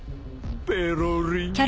ペロリン。